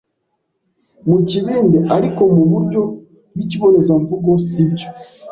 mu kibindi, ariko mu buryo bw'ikibonezamvugo si byo.